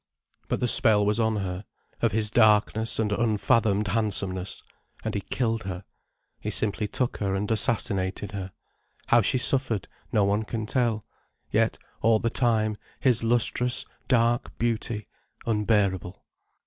But the spell was on her, of his darkness and unfathomed handsomeness. And he killed her. He simply took her and assassinated her. How she suffered no one can tell. Yet all the time, his lustrous dark beauty, unbearable.